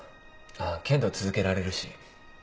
剣道続けられるし。